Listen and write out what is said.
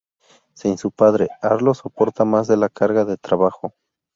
Sin su padre, Arlo soporta más de la carga de trabajo.